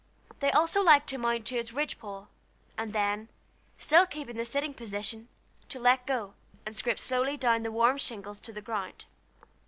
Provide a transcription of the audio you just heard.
They also liked to mount to the ridge pole, and then, still keeping the sitting position, to let go, and scrape slowly down over the warm shingles to the ground.